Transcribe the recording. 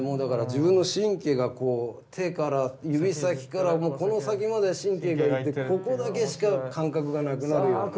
自分の神経が手から指先からこの先まで神経がいってここだけしか感覚がなくなるような。